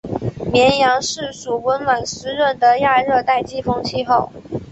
绵阳市属温暖湿润的亚热带季风气候。